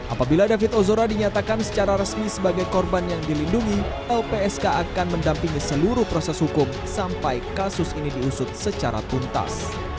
apabila david ozora dinyatakan secara resmi sebagai korban yang dilindungi lpsk akan mendampingi seluruh proses hukum sampai kasus ini diusut secara tuntas